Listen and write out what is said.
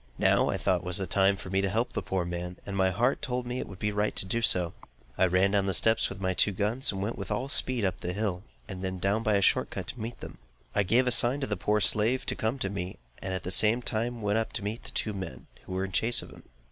Now, I thought, was the time for me to help the poor man, and my heart told me it would be right to do so. I ran down my steps with my two guns, and went with all speed up the hill, and then down by a short cut to meet them. I gave a sign to the poor slave to come to me, and at the same time went up to meet the two men, who were in chase of him.